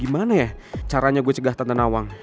gimana ya caranya gue cegah tante nawang